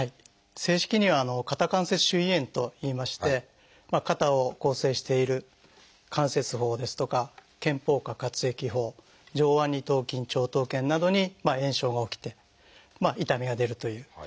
正式には「肩関節周囲炎」といいまして肩を構成している関節包ですとか肩峰下滑液包上腕二頭筋長頭腱などに炎症が起きて痛みが出るという。